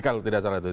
kalau tidak salah